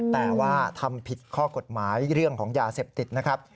แต่ว่าทำผิดข้อกฎหมายเรื่องของยาเสพติดนะครับ